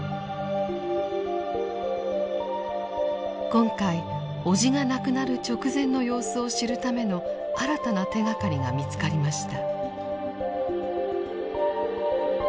今回叔父が亡くなる直前の様子を知るための新たな手がかりが見つかりました。